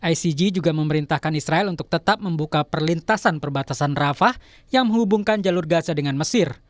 icg juga memerintahkan israel untuk tetap membuka perlintasan perbatasan rafah yang menghubungkan jalur gaza dengan mesir